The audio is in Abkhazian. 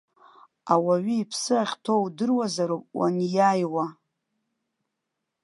Ауаҩы иԥсы ахьҭоу удыруазароуп уаниааиуа.